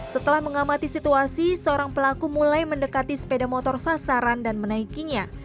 setelah mengamati situasi seorang pelaku mulai mendekati sepeda motor sasaran dan menaikinya